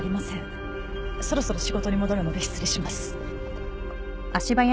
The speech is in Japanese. そろそろ仕事に戻るので失礼します。